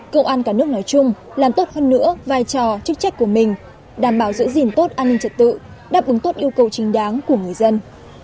công an cả nước nói chung làm tốt hơn nữa vai trò chức trách của mình đảm bảo giữ gìn tốt an ninh trật tự đáp ứng tốt yêu cầu chính đáng của người dân